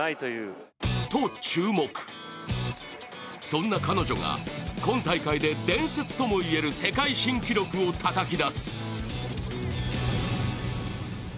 そんな彼女が今大会で伝説ともいえる世界新記録をたたき出す。